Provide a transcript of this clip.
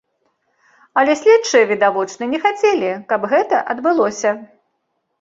Але следчыя, відавочна, не хацелі, каб гэта адбылося.